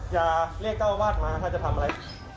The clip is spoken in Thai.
อย่าเรียกก้าววาดมาถ้าจะทำอะไร